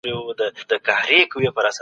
تاسو باید د مسؤلیت څخه تېښته ونه کړئ.